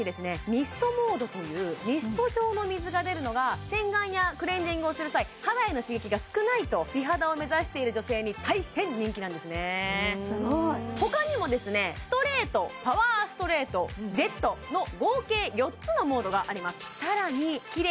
ミストモードというミスト状の水が出るのが洗顔やクレンジングをする際肌への刺激が少ないと美肌を目指している女性に大変人気なんですねすごい！ほかにもストレートパワーストレートジェットの合計４つのモードがあります